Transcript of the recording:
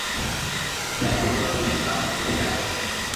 جئين ليو ھمي ڪاو سھي لاگي منو